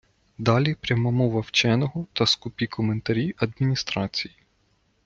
Далі – пряма мова вченого та скупі коментарі адміністрації.